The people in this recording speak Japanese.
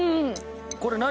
これ何？